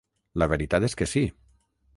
La veritat és que sí.